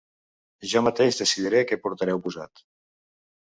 Jo mateix decidiré què portareu posat.